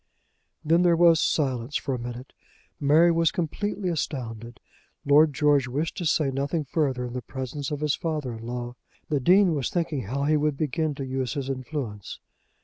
Then there was silence for a minute. Mary was completely astounded. Lord George wished to say nothing further in the presence of his father in law. The Dean was thinking how he would begin to use his influence.